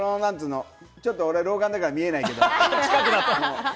ちょっと俺、老眼だから見えないけど。